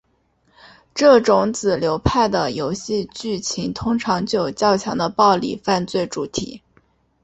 这种子流派的游戏剧情通常具有较强的暴力犯罪主题。